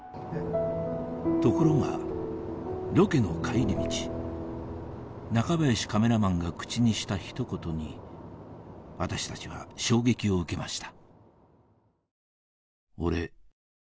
ところがロケの帰り道中林カメラマンが口にしたひと言に私たちは衝撃を受けました